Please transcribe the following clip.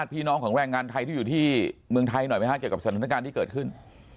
พี่น้องของแรงงานไทยที่อยู่ที่เมืองไทยหน่อยไหมฮะเกี่ยวกับสถานการณ์ที่เกิดขึ้น